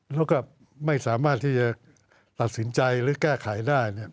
แล้วก็ไม่สามารถที่จะตัดสินใจหรือแก้ไขได้